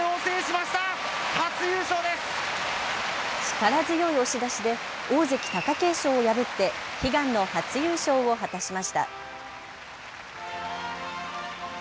力強い押し出しで大関・貴景勝を破って悲願の初優勝を果たしました。